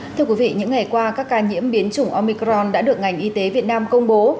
thưa quý vị những ngày qua các ca nhiễm biến chủng omicron đã được ngành y tế việt nam công bố